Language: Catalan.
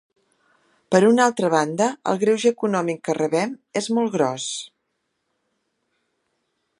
Per una altra banda, el greuge econòmic que rebem és molt gros.